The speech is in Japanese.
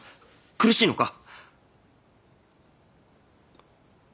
苦しいのか？